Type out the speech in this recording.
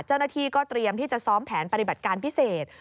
เจ้าหน้าที่ก็เตรียมที่จะซ้อมแผนปฏิบัติการพิเศษ